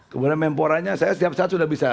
kemudian memporanya saya setiap saat sudah bisa